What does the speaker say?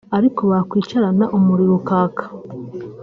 Ariko bakwicarana umuriro ukaka